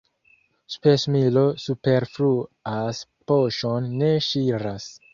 Spesmilo superflua poŝon ne ŝiras.